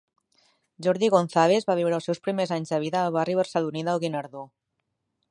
Jordi González va viure els seus primers anys de vida al barri barceloní del Guinardó.